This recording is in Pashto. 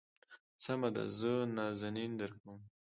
سمه ده زه نازنين درکوم.